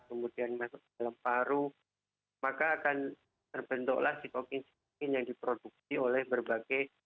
kemudian masuk ke dalam paru maka akan terbentuklah sitokin sitokin yang diproduksi oleh berbagai